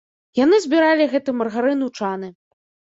Яны збіралі гэты маргарын у чаны.